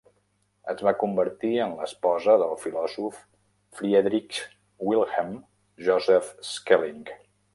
Es va convertir en l'esposa del filòsof Friedrich Wilhelm Joseph Schelling.